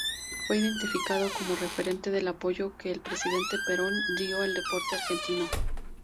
Fue identificada como referente del apoyo que el presidente Perón dio al deporte argentino.